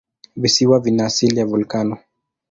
Visiwa vina asili ya volikano.